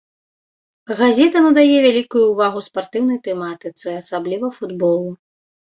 Газета надае вялікую ўвагу спартыўнай тэматыцы, асабліва футболу.